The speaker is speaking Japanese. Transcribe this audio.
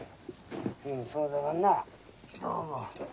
うんそうだろうな。